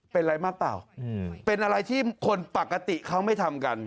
เป็นอะไรมากเปล่าเป็นอะไรที่คนปกติเขาไม่ทำกัน